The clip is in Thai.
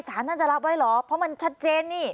สารท่านจะรับไว้เหรอเพราะมันชัดเจนนี่